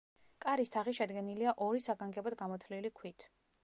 კარის თაღი შედგენილია ორი საგანგებოდ გამოთლილი ქვით.